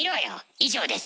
以上です。